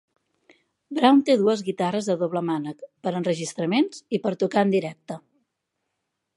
Brown té dues guitarres de doble mànec per a enregistraments i per tocar en directe.